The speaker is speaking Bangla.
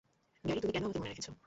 গ্যারি, তুমি কেন আমাকে মনে রেখেছ?